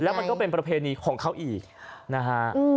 มันก็เป็นประเพณีของเขาอีกนะฮะ